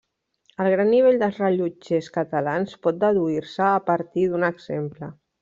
El gran nivell dels rellotgers catalans pot deduir-se a partir d’un exemple.